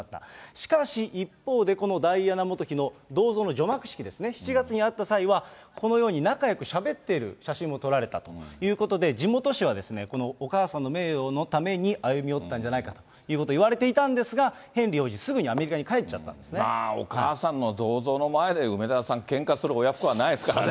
しかし、一方でこのダイアナ元妃の銅像の除幕式ですね、７月に会った際は、このように仲よくしゃべっている写真も撮られたということで、地元紙はこのお母さんの名誉のために歩み寄ったんじゃないかということをいわれていたんですが、ヘンリー王子、すぐにアメリカにまあお母さんの銅像の前で梅沢さん、けんかする親不孝はないですからね。